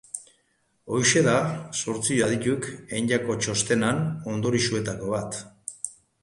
Hori da zortzi adituk egindako txostenaren ondorioetako bat.